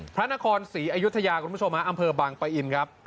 พระนครศรีอยุธยาคุณผู้ชมฮะอำเภอบางปะอินครับ